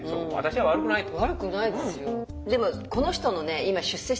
悪くないですよ。